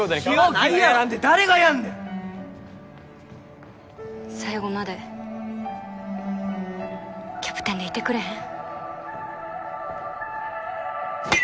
日沖がやらんで誰がやんねん最後までキャプテンでいてくれへん？